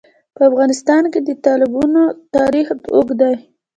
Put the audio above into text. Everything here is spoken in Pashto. په افغانستان کې د تالابونه تاریخ اوږد دی.